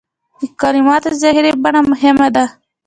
د کلماتو ظاهري بڼه مهمه نه ده.